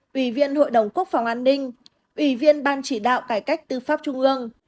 ủy viên hội đồng quốc phòng an ninh ủy viên ban chỉ đạo cải cách tư pháp trung ương